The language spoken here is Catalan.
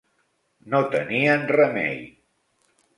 No tenien remei.